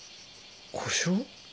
故障？